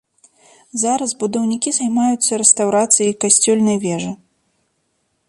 Зараз будаўнікі займаюцца рэстаўрацыяй касцёльнай вежы.